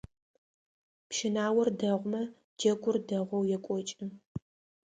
Пщынаор дэгъумэ джэгур дэгъоу екӏокӏы.